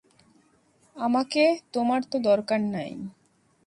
আমাকে তোমার তো দরকার নেই।